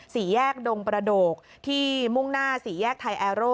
สี่แยกดงประโดกที่มุ่งหน้าสี่แยกไทยแอร์โร่